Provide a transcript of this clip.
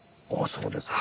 そうですか。